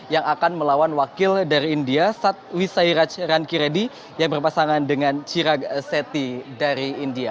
yang akan melawan wakil dari india satwisairaj ranki reddy yang berpasangan dengan chirag sethi dari india